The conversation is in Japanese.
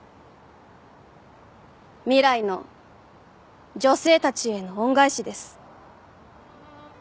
未来の女性たちへの恩返しです。